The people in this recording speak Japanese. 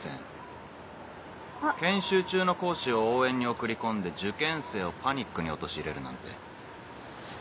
研修中の講師を応援に送り込んで受験生をパニックに陥れるなんて。